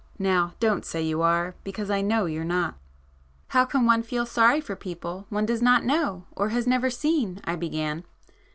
Now don't say you are, because I know you're not!" "How can one feel sorry for people one does not know or has never seen,—" I began.